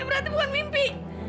berarti bukan mimpi